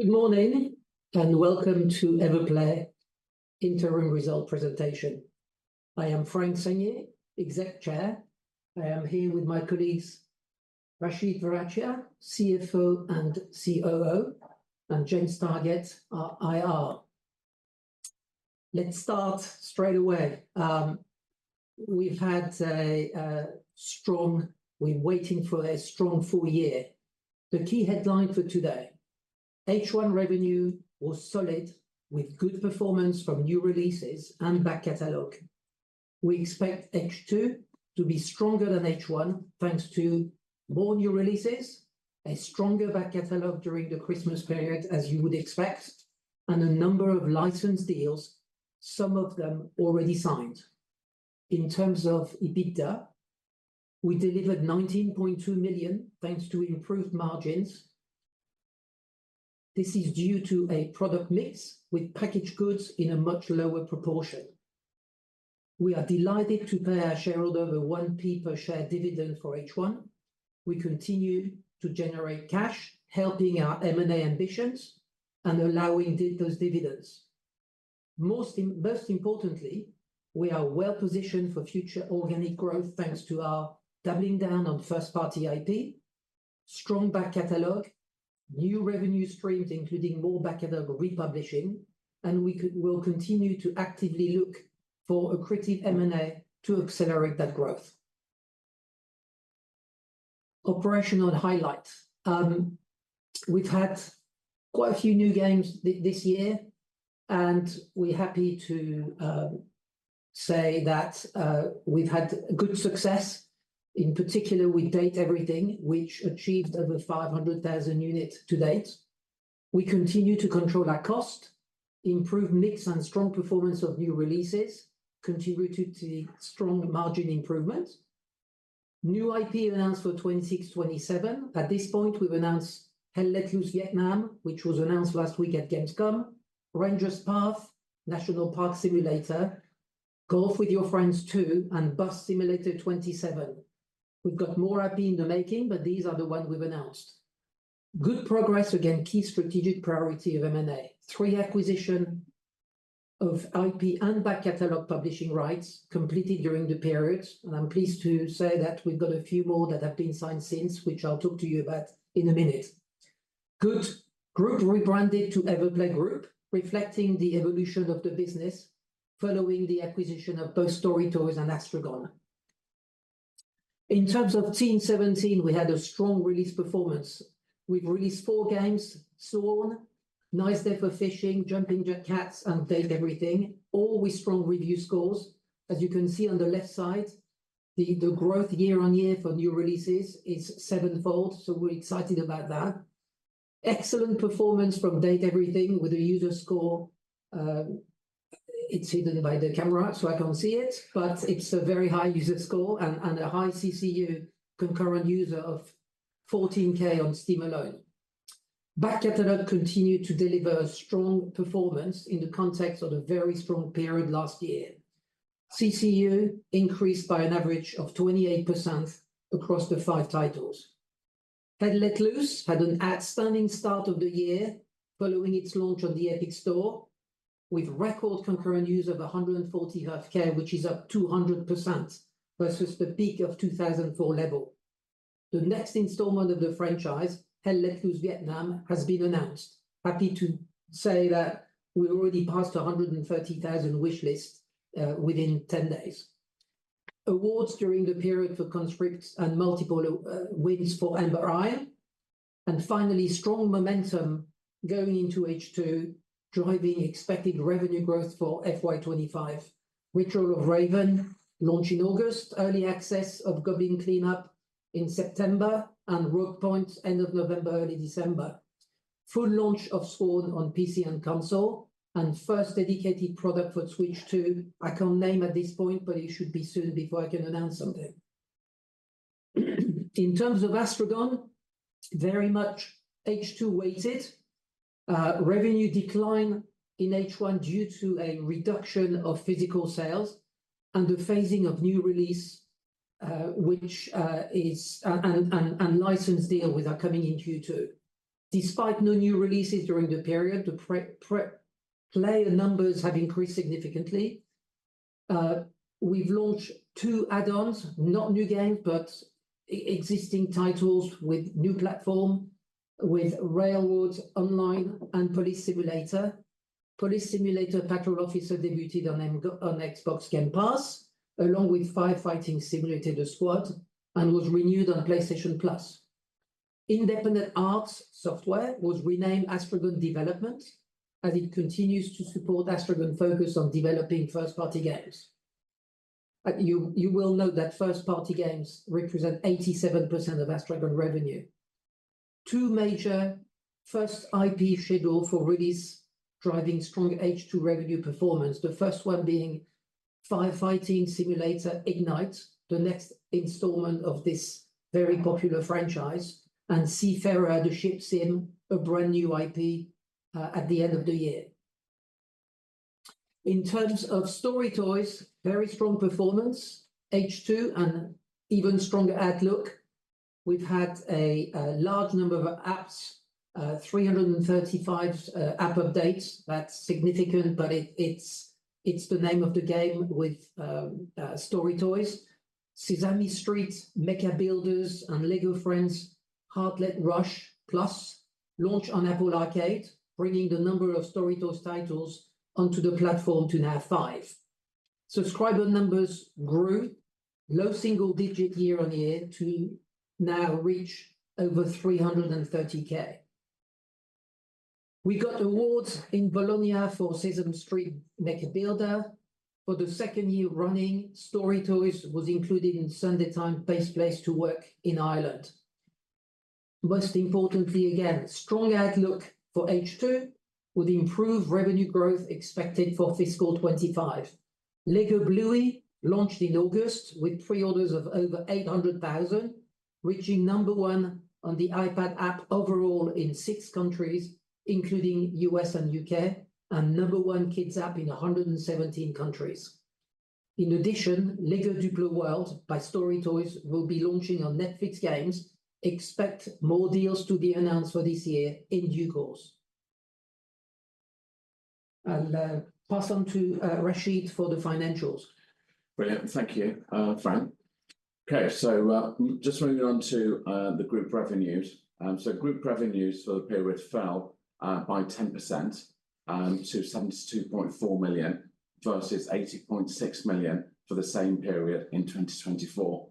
Good morning and welcome to Everplay Interim Result Presentation. I am Frank Sagnier, Executive Chair. I am here with my colleagues, Rashid Varachia, CFO and COO, and James Targett, our IR. Let's start straight away. We're waiting for a strong full year. The key headline for today: H1 revenue was solid, with good performance from new releases and back catalog. We expect H2 to be stronger than H1, thanks to more new releases, a stronger back catalog during the Christmas period, as you would expect, and a number of licensed deals, some of them already signed. In terms of EBITDA, we delivered £19.2 million thanks to improved margins. This is due to a product mix with packaged goods in a much lower proportion. We are delighted to pay our shareholder the 1p per share dividend for H1. We continue to generate cash, helping our M&A ambitions and allowing those dividends. Most importantly, we are well positioned for future organic growth thanks to our doubling down on first-party IP, strong back catalog, new revenue streams including more back catalog republishing, and we will continue to actively look for a creative M&A to accelerate that growth. Operational highlights: we've had quite a few new games this year, and we're happy to say that we've had good success, in particular with Date Everything, which achieved over 500,000 units to date. We continue to control our cost, improve mix and strong performance of new releases, contributing to strong margin improvement. New IP announced for 2026/2027. At this point, we've announced Hell Let Loose: Vietnam, which was announced last week at Gamescom, Ranger's Path: National Park Simulator, Golf With Your Friends 2, and Bus Simulator 27. We've got more IP in the making, but these are the ones we've announced. Good progress against key strategic priority of M&A: three acquisitions of IP and back catalog publishing rights completed during the period, and I'm pleased to say that we've got a few more that have been signed since, which I'll talk to you about in a minute. The group rebranded to Everplay Group, reflecting the evolution of the business following the acquisition of both StoryToys and astragon. In terms of Team17, we had a strong release performance. We've released four games: Sworn, A Nice Day for Fishing, Dredge, Jumping Jazz Cats, and Date Everything, all with strong review scores. As you can see on the left side, the growth year-on-year for new releases is seven-fold, so we're excited about that. Excellent performance from Date Everything with a user score (it's hidden by the camera, so I can't see it) but it's a very high user score and a high CCU, concurrent user of 14k on Steam alone. Back Catalog continued to deliver strong performance in the context of a very strong period last year. CCU increased by an average of 28% across the five titles. Hell Let Loose had an outstanding start of the year following its launch on the Epic Store, with record concurrent user of 140k, which is up 200% versus the peak of 2004 level. The next installment of the franchise, Hell Let Loose: Vietnam, has been announced. Happy to say that we already passed 130,000 wishlists within 10 days. Awards during the period for Conscript and multiple wins for Amber Isle. Strong momentum going into H2, driving expected revenue growth for FY25. Ritual of Raven launched in August, early access of Goblin Cleanup in September, and Rogue Point end of November, early December. Full launch of Sworn on PC and console and first dedicated product for Switch 2. I can't name at this point, but it should be soon before I can announce something. In terms of astragon, very much H2 weighted. Revenue decline in H1 due to a reduction of physical sales and the phasing of new release, and license deal with are coming in Q2. Despite no new releases during the period, the player numbers have increased significantly. We've launched two add-ons, not new games, but existing titles with new platform, with Railroads Online and Police Simulator. Police Simulator: Patrol Officers debuted on Xbox Game Pass, along with Firefighting Simulator: The Squad, and was renewed on PlayStation Plus. Independent Arts Software was renamed astragon Development, as it continues to support astragon's focus on developing first-party games. You will note that first-party games represent 87% of astragon revenue. Two major first-party IP's scheduled for release driving strong H2 revenue performance, the first one being Firefighting Simulator: Ignite, the next installment of this very popular franchise, and Seafarer: The Ship Sim, a brand new IP at the end of the year. In terms of StoryToys, very strong performance, H2, and even stronger outlook. We've had a large number of apps, 335 app updates. That's significant, but it's the name of the game with StoryToys. Sesame Street Mecha Builders and LEGO Friends: Heartlake Rush Plus launched on Apple Arcade, bringing the number of StoryToys titles onto the platform to now five. Subscriber numbers grew, low single digit year on year, to now reach over 330,000. We got awards in Bologna for Sesame Street Mecha Builders. For the second year running, StoryToys were included in Sunday Times Best Place to Work in Ireland. Most importantly, again, strong outlook for H2 with improved revenue growth expected for FY25. LEGO Bluey launched in August with pre-orders of over 800,000, reaching number one on the iPad app overall in six countries, including U.S. and U.K., and number one kids app in 117 countries. In addition, LEGO DUPLO World by StoryToys will be launching on Netflix Games. Expect more deals to be announced for this year in due course, and pass on to Rashid for the financials. Brilliant. Thank you, Frank. Okay, so just moving on to the group revenues, so group revenues for the period fell by 10% to 72.4 million versus 80.6 million for the same period in 2024.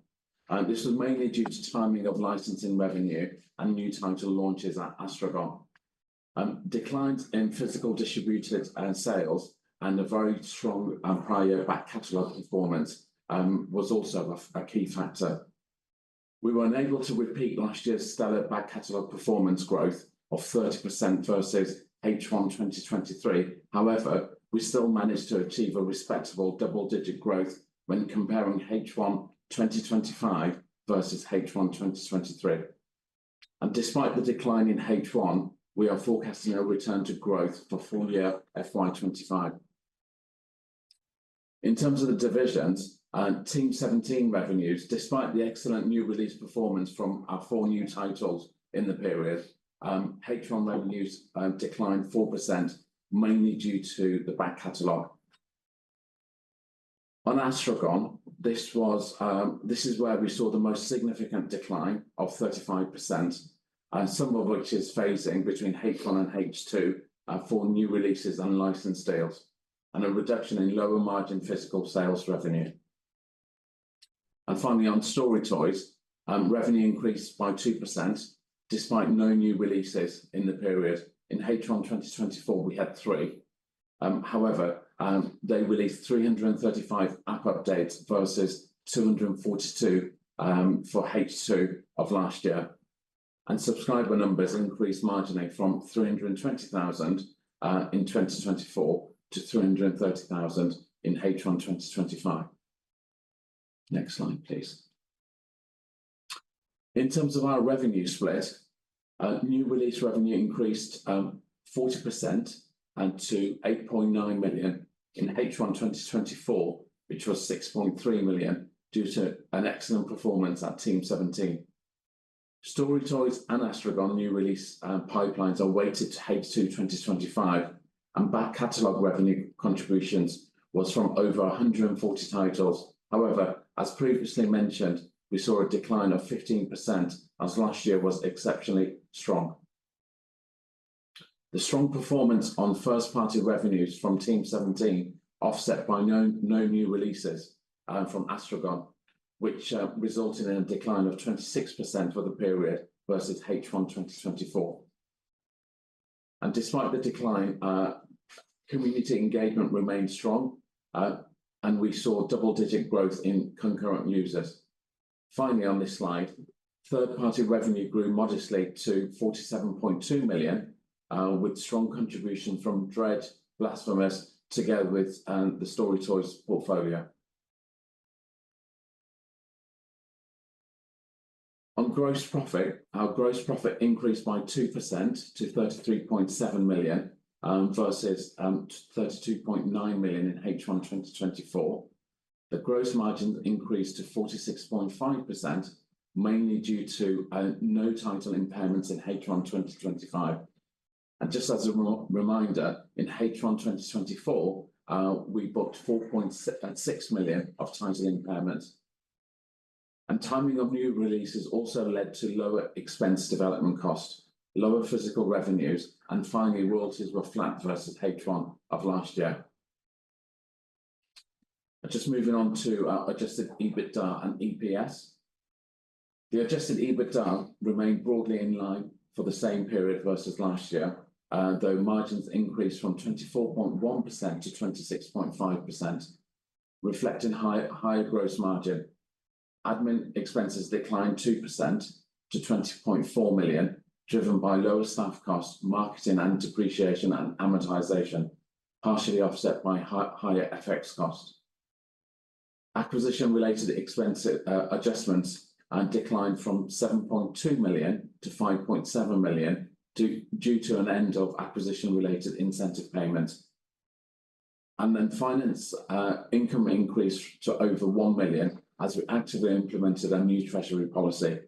This was mainly due to timing of licensing revenue and new title launches at astragon. Declines in physical distributed sales and a very strong prior back catalog performance was also a key factor. We were unable to repeat last year's stellar back catalog performance growth of 30% versus H1 2023. However, we still managed to achieve a respectable double-digit growth when comparing H1 2025 versus H1 2023, and despite the decline in H1, we are forecasting a return to growth for full year FY25. In terms of the divisions, Team17 revenues, despite the excellent new release performance from our four new titles in the period, H1 revenues declined 4%, mainly due to the back catalog. On astragon, this is where we saw the most significant decline of 35%, some of which is phasing between H1 and H2 for new releases and licensed deals, and a reduction in lower margin physical sales revenue, and finally, on StoryToys, revenue increased by 2% despite no new releases in the period. In H1 2024, we had three. However, they released 335 app updates versus 242 for H2 of last year, and subscriber numbers increased marginally from 320,000 in 2024 to 330,000 in H1 2025. In terms of our revenue split, new release revenue increased 40% to 8.9 million in H1 2024, which was 6.3 million due to an excellent performance at Team17. StoryToys and astragon new release pipelines are weighted to H2 2025, and back catalog revenue contributions were from over 140 titles. However, as previously mentioned, we saw a decline of 15% as last year was exceptionally strong. The strong performance on first-party revenues from Team17 offset by no new releases from astragon, which resulted in a decline of 26% for the period versus H1 2024. And despite the decline, community engagement remained strong, and we saw double-digit growth in concurrent users. Finally, on this slide, third-party revenue grew modestly to 47.2 million, with strong contributions from Dredge, Blasphemous, together with the StoryToys portfolio. On gross profit, our gross profit increased by 2% to 33.7 million versus 32.9 million in H1 2024. The gross margin increased to 46.5%, mainly due to no title impairments in H1 2025. And just as a reminder, in H1 2024, we booked 4.6 million of title impairments. Timing of new releases also led to lower expense development costs, lower physical revenues, and finally, royalties were flat versus H1 of last year. Just moving on to adjusted EBITDA and EPS. The adjusted EBITDA remained broadly in line for the same period versus last year, though margins increased from 24.1%-26.5%, reflecting higher gross margin. Admin expenses declined 2% to 20.4 million, driven by lower staff costs, marketing and depreciation, and amortization, partially offset by higher FX costs. Acquisition-related expense adjustments declined from 7.2 million to 5.7 million due to an end of acquisition-related incentive payments. Finance income increased to over 1 million as we actively implemented a new treasury policy.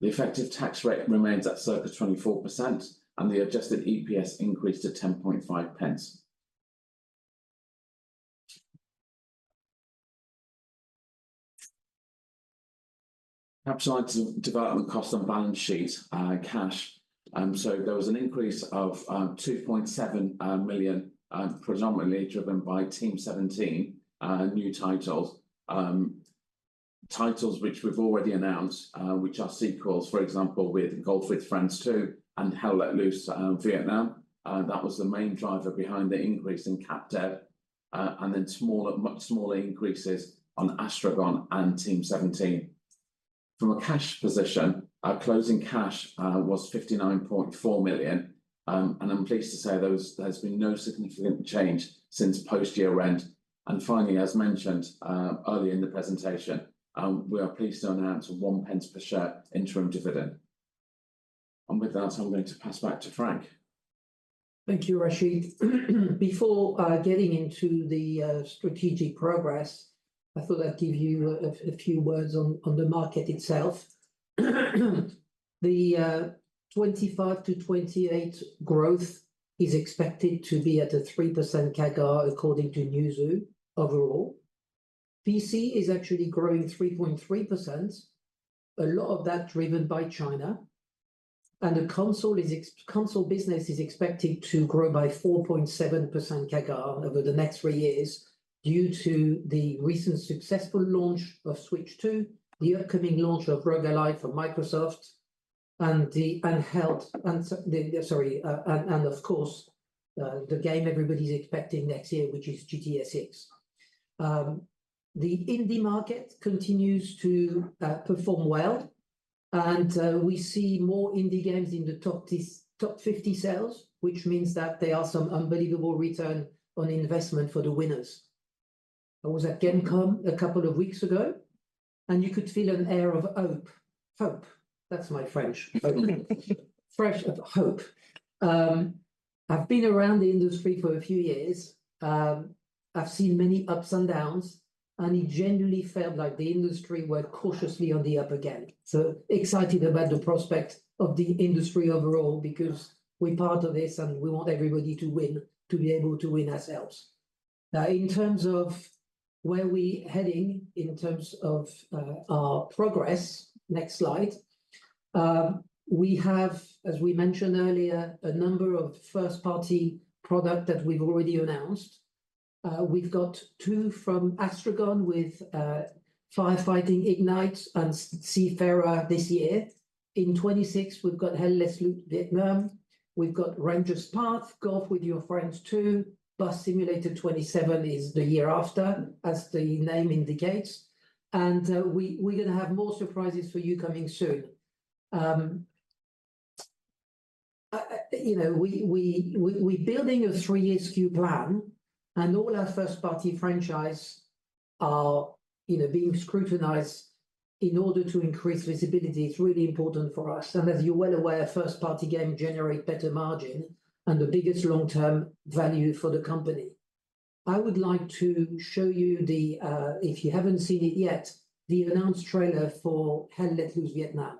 The effective tax rate remains at circa 24%, and the Adjusted EPS increased to 10.5 pence. Capitalized development costs on balance sheet cash. There was an increase of 2.7 million, predominantly driven by Team17 new titles. Titles which we've already announced, which are sequels, for example, with Golf With Your Friends 2 and Hell Let Loose: Vietnam. That was the main driver behind the increase in capex. Then much smaller increases on astragon and Team17. From a cash position, our closing cash was 59.4 million. And I'm pleased to say there's been no significant change since post-year end. And finally, as mentioned earlier in the presentation, we are pleased to announce a 0.01 per share interim dividend. And with that, I'm going to pass back to Frank. Thank you, Rashid. Before getting into the strategic progress, I thought I'd give you a few words on the market itself. The 2025-2028 growth is expected to be at a 3% CAGR according to Newzoo overall. PC is actually growing 3.3%, a lot of that driven by China. And the console business is expected to grow by 4.7% CAGR over the next three years due to the recent successful launch of Switch 2, the upcoming launch of Roguelite from Microsoft, and of course, the game everybody's expecting next year, which is GTA 6. The indie market continues to perform well, and we see more indie games in the top 50 sales, which means that there are some unbelievable return on investment for the winners. I was at Gamescom a couple of weeks ago, and you could feel an air of hope. Fresh of hope. I've been around the industry for a few years. I've seen many ups and downs, and it genuinely felt like the industry went cautiously on the up again. So excited about the prospect of the industry overall because we're part of this and we want everybody to win, to be able to win ourselves. Now, in terms of where we're heading in terms of our progress. We have, as we mentioned earlier, a number of first-party products that we've already announced. We've got two from astragon with Firefighting Ignite and Seafarer this year. In 2026, we've got Hell Let Loose: Vietnam. We've got Ranger's Path, Golf With Your Friends 2. Bus Simulator 27 is the year after, as the name indicates. And we're going to have more surprises for you coming soon. You know, we're building a three-year strategic plan, and all our first-party franchises are being scrutinized in order to increase visibility. It's really important for us, and as you're well aware, first-party games generate better margin and the biggest long-term value for the company. I would like to show you, if you haven't seen it yet, the announced trailer for Hell Let Loose: Vietnam.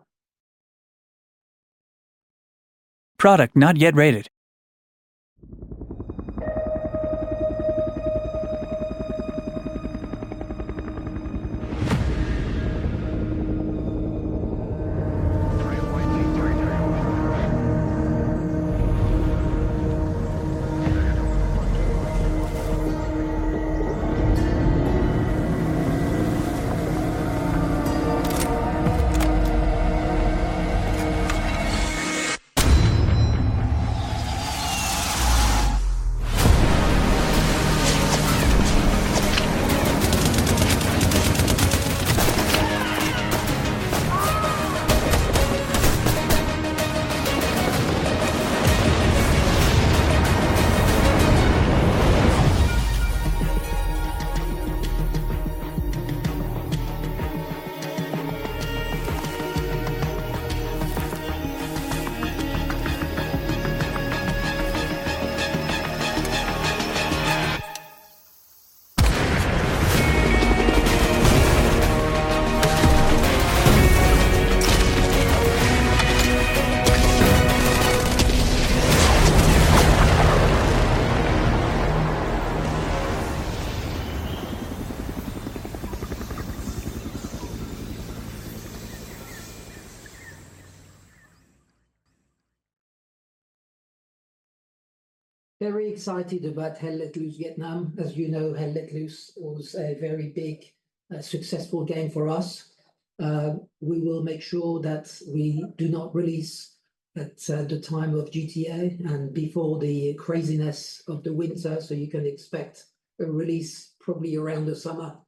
Very excited about Hell Let Loose: Vietnam. As you know, Hell Let Loose was a very big successful game for us. We will make sure that we do not release at the time of GTA and before the craziness of the winter, so you can expect a release probably around the summer.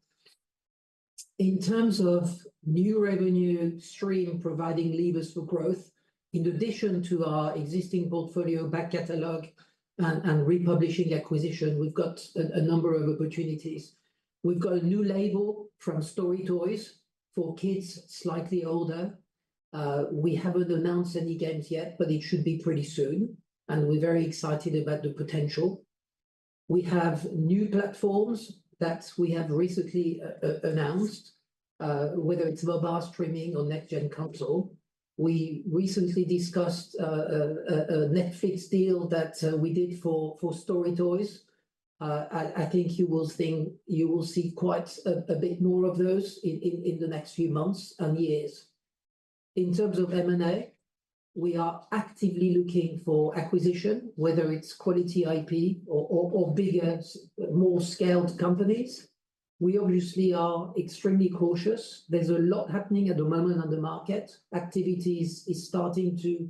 In terms of new revenue stream providing levers for growth, in addition to our existing portfolio, back catalog, and republishing acquisition, we've got a number of opportunities. We've got a new label from StoryToys for kids slightly older. We haven't announced any games yet, but it should be pretty soon, and we're very excited about the potential. We have new platforms that we have recently announced, whether it's mobile streaming or next-gen console. We recently discussed a Netflix deal that we did for StoryToys. I think you will see quite a bit more of those in the next few months and years. In terms of M&A, we are actively looking for acquisition, whether it's quality IP or bigger, more scaled companies. We obviously are extremely cautious. There's a lot happening at the moment on the market. Activities are starting to,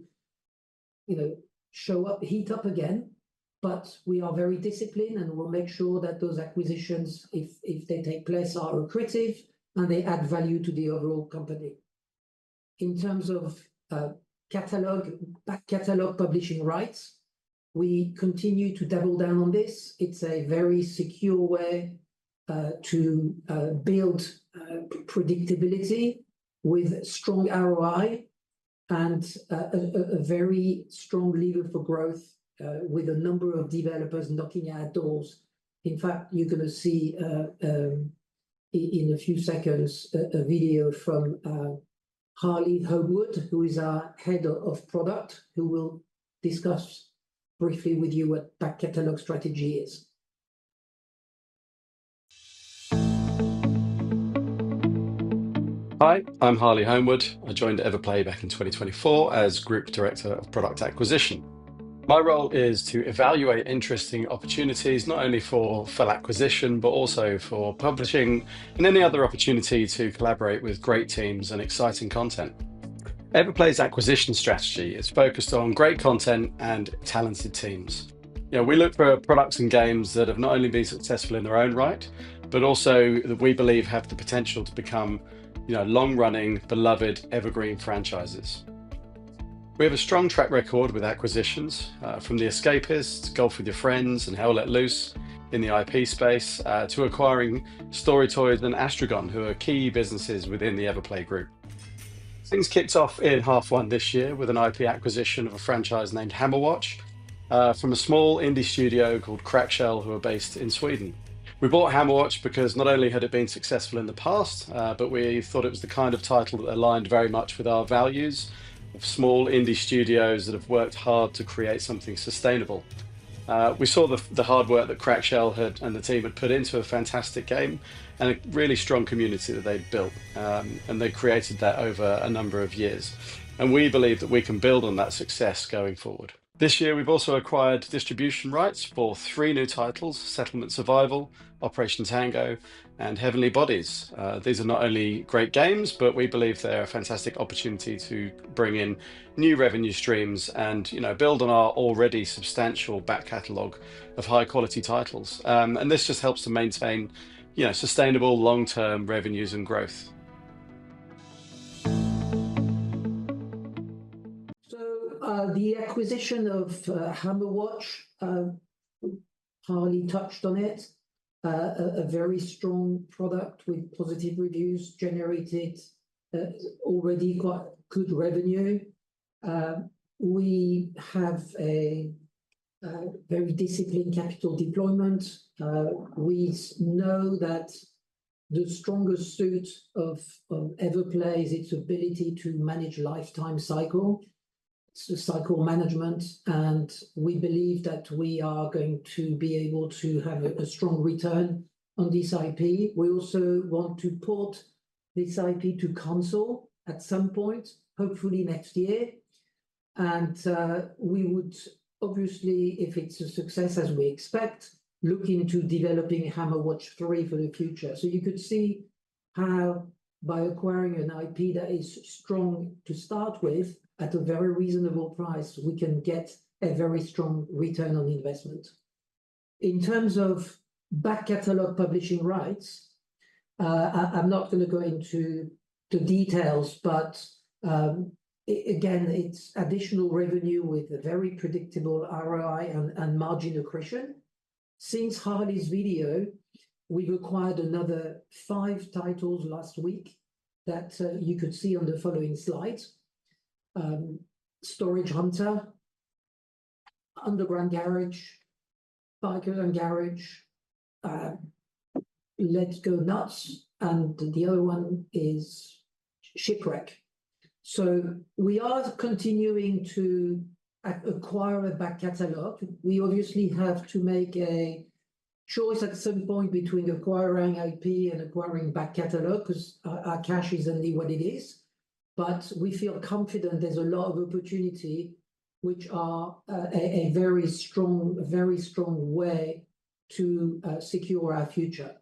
you know, show up, heat up again, but we are very disciplined and we'll make sure that those acquisitions, if they take place, are lucrative and they add value to the overall company. In terms of back catalog publishing rights, we continue to double down on this. It's a very secure way to build predictability with strong ROI and a very strong lever for growth with a number of developers knocking at doors. In fact, you're going to see in a few seconds a video from Harley Homewood, who is our head of product, who will discuss briefly with you what back catalog strategy is. Hi, I'm Harley Homewood. I joined Everplay back in 2024 as Group Director of Product Acquisition. My role is to evaluate interesting opportunities, not only for full acquisition, but also for publishing and any other opportunity to collaborate with great teams and exciting content. Everplay's acquisition strategy is focused on great content and talented teams. We look for products and games that have not only been successful in their own right, but also that we believe have the potential to become long-running, beloved evergreen franchises. We have a strong track record with acquisitions from The Escapists, Golf With Your Friends, and Hell Let Loose in the IP space to acquiring StoryToys and astragon, who are key businesses within the Everplay group. Things kicked off in half one this year with an IP acquisition of a franchise named Hammerwatch from a small indie studio called Crackshell, who are based in Sweden. We bought Hammerwatch because not only had it been successful in the past, but we thought it was the kind of title that aligned very much with our values of small indie studios that have worked hard to create something sustainable. We saw the hard work that Crackshell had and the team had put into a fantastic game and a really strong community that they'd built, and they created that over a number of years, and we believe that we can build on that success going forward. This year, we've also acquired distribution rights for three new titles: Settlement Survival, Operation: Tango, and Heavenly Bodies. These are not only great games, but we believe they're a fantastic opportunity to bring in new revenue streams and build on our already substantial back catalog of high-quality titles, and this just helps to maintain sustainable long-term revenues and growth. So, the acquisition of Hammerwatch. Harley touched on it, a very strong product with positive reviews generated already quite good revenue. We have a very disciplined capital deployment. We know that the strongest suit of Everplay is its ability to manage lifetime cycle, cycle management, and we believe that we are going to be able to have a strong return on this IP. We also want to port this IP to console at some point, hopefully next year. And we would obviously, if it's a success as we expect, look into developing Hammerwatch 3 for the future. So you could see how by acquiring an IP that is strong to start with at a very reasonable price, we can get a very strong return on investment. In terms of back catalog publishing rights, I'm not going to go into the details, but again, it's additional revenue with a very predictable ROI and margin accretion. Since Harley's video, we've acquired another five titles last week that you could see on the following slides: Storage Hunter, Underground Garage, Biker Garage, Let's Go Nuts, and the other one is Shipwreck. So we are continuing to acquire a back catalog. We obviously have to make a choice at some point between acquiring IP and acquiring back catalog because our cash is only what it is. But we feel confident there's a lot of opportunity which are a very strong, very strong way to secure our future.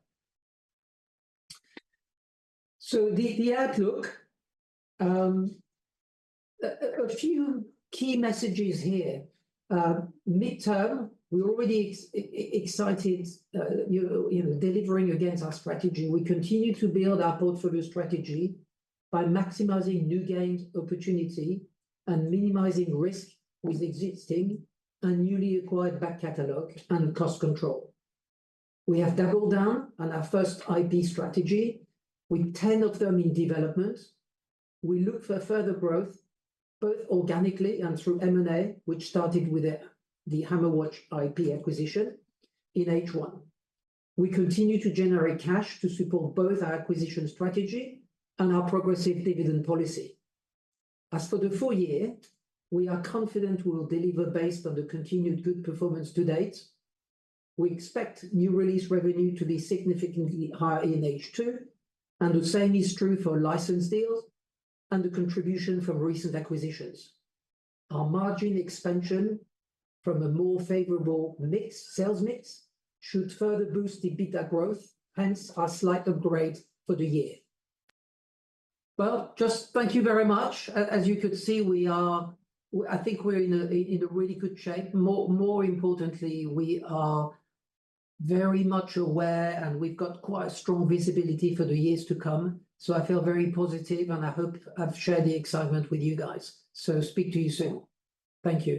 So the outlook, a few key messages here. Midterm, we're already excited, you know, delivering against our strategy. We continue to build our portfolio strategy by maximizing new gains, opportunity, and minimizing risk with existing and newly acquired back catalog and cost control. We have doubled down on our first IP strategy with 10 of them in development. We look for further growth both organically and through M&A, which started with the Hammerwatch IP acquisition in H1. We continue to generate cash to support both our acquisition strategy and our progressive dividend policy. As for the full year, we are confident we will deliver based on the continued good performance to date. We expect new release revenue to be significantly higher in H2, and the same is true for license deals and the contribution from recent acquisitions. Our margin expansion from a more favorable sales mix should further boost the EBITDA growth, hence our slight upgrade for the year. Just thank you very much. As you could see, we are, I think we're in a really good shape. More importantly, we are very much aware and we've got quite a strong visibility for the years to come. So I feel very positive and I hope I've shared the excitement with you guys. So speak to you soon. Thank you.